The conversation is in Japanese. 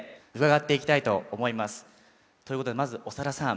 ということでまず長田さん。